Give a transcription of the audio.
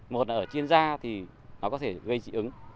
một là ở trên da thì nó có thể gây dị ứng